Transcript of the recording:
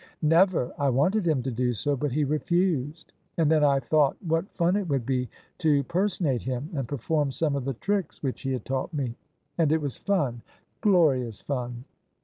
"" Never. I wanted him to do so, but he refused. And then I thought what fun it would be to personate him and perform some of the tricks which he had taught me. And it was fun ! Glorious fun